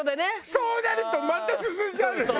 そうなるとまた進んじゃうでしょ？